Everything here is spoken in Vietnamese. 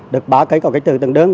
được ba cây có kích thước tương đương